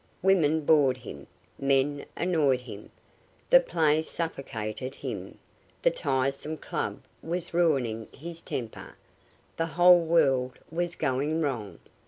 Women bored him; men annoyed him; the play suffocated him; the tiresome club was ruining his temper; the whole world was going wrong.